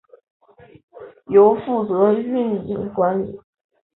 由负责运营管理。